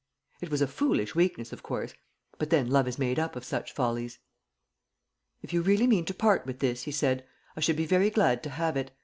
It was a foolish weakness, of course; but then love is made up of such follies. "If you really mean to part with this," he said, "I should be very glad to have it.